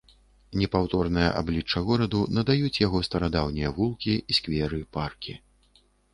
Непаўторнае аблічча гораду надаюць яго старадаўнія вулкі, скверы, паркі.